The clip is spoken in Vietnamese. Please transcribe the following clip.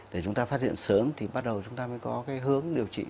để chúng ta phát hiện sớm thì bắt đầu chúng ta mới có cái hướng điều trị